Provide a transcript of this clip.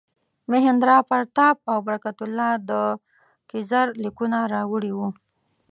مهیندراپراتاپ او برکت الله د کیزر لیکونه راوړي وو.